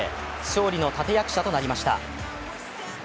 勝利の立て役者となりました。